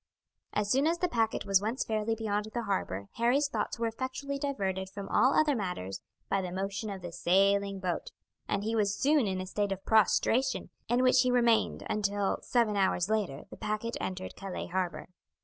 As soon as the packet was once fairly beyond the harbour Harry's thoughts were effectually diverted from all other matters by the motion of the sailing boat, and he was soon in a state of prostration, in which he remained until, seven hours later, the packet entered Calais harbour.